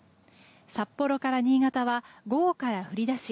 札幌から新潟は午後から降り出し